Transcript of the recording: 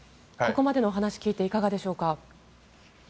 ここまでのお話を聞いていかがでしょうか。